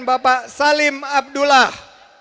bapak salim abdullah